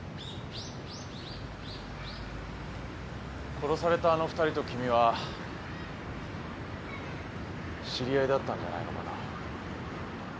殺されたあの２人と君は知り合いだったんじゃないのかな。